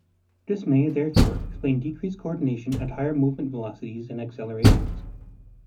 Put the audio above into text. This may, therefore, explain decreased coordination at higher movement velocities and accelerations.